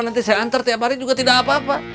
nanti saya antar tiap hari juga tidak apa apa